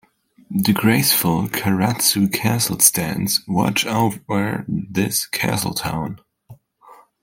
The graceful Karatsu Castle stands watch over this castle town.